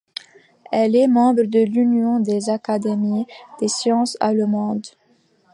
Elle est membre de l'Union des académies des sciences allemandes.